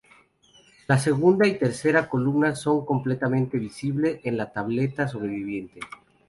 Las segunda y tercera columnas son completamente visible en la tableta sobreviviente.